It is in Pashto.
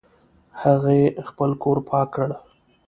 هغې خپل کور پاک کړ